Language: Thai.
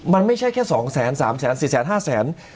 มันไม่ใช่แค่๒๓๔๕แสน